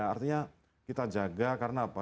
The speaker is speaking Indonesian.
artinya kita jaga karena apa